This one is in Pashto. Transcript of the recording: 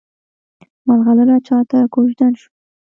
ملغلره چاته کوژدن شوه؟